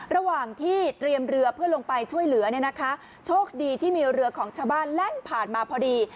ระหว่างที่เตรียมเรือเพื่อลงไปช่วยเหลือเนี่ยนะคะโชคดีที่มีเรือของชาวบ้านแล่นผ่านมาพอดี